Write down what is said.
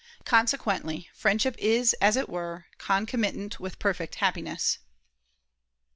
Consequently, friendship is, as it were, concomitant with perfect Happiness.